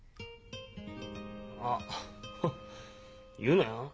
あっ言うなよ。